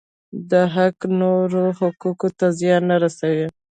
دا حق نورو حقوقو ته زیان نه رسوي.